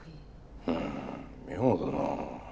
うん妙だな。